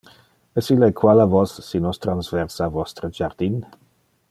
Es il equal a vos si nos transversa vostre jardin?